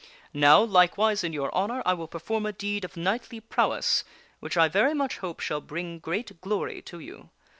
Now, likewise, in your honor, I will perform a deed of knightly prowess which I very much hope shall bring great glory to you.